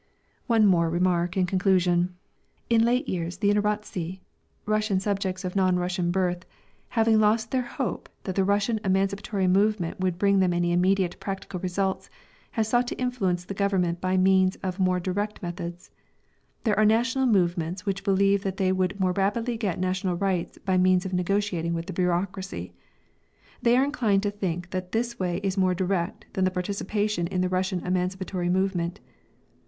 One more remark in conclusion. In late years the "inorodtzy" (Russian subjects of non Russian birth), having lost their hope that the Russian emancipatory movement would bring them any immediate practical results, have sought to influence the Government by means of more direct methods. There are national movements which believe that they would more rapidly get national rights by means of negotiating with the bureaucracy. They are inclined to think that this way is more direct than the participation in the Russian emancipatory movement.